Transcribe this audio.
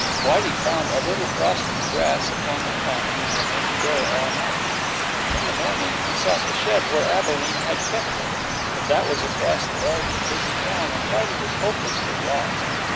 Whitey found a little frosted grass upon the common and remained there all night. In the morning he sought the shed where Abalene had kept him, but that was across the large and busy town, and Whitey was hopelessly lost.